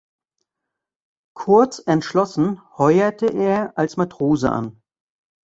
Kurzentschlossen heuerte er als Matrose an.